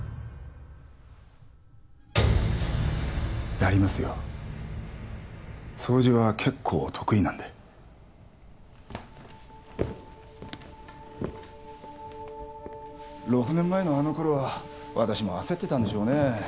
やりますよ掃除は結構得意なんで６年前のあの頃は私も焦ってたんでしょうね